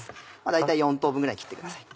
大体４等分ぐらいに切ってください。